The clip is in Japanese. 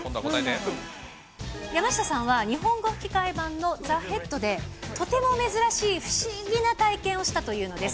山下さんは日本語吹き替え版のザ・ヘッドで、とても珍しい不思議な体験をしたというのです。